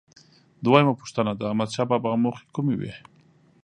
دویمه پوښتنه: د احمدشاه بابا موخې کومې وې؟